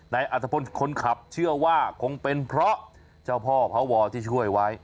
อัตภพลคนขับเชื่อว่าคงเป็นเพราะเจ้าพ่อพระวอที่ช่วยไว้